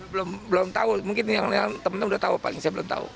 belum belum tahu mungkin yang temennya udah tahu paling saya belum tahu